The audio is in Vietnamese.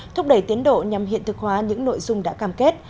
thúc đẩy tiến độ nhằm hiện thực hóa những nội dung đã cam kết